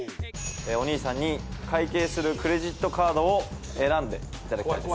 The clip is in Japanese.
お兄さんに会計するクレジットカードを選んでいただきたいです。